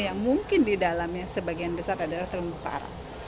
yang mungkin di dalamnya sebagian besar adalah terumbu karang